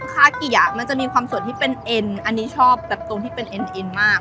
คาเกียมันจะมีความส่วนที่เป็นเอ็นอันนี้ชอบแบบตรงที่เป็นเอ็นเอ็นมาก